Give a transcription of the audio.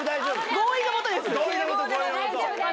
合意のもとです。